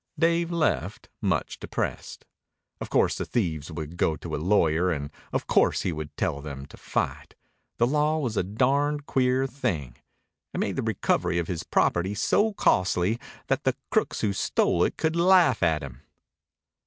Dave left much depressed. Of course the thieves would go to a lawyer, and of course he would tell them to fight. The law was a darned queer thing. It made the recovery of his property so costly that the crooks who stole it could laugh at him.